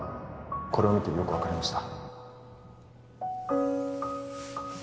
これを見てよく分かりました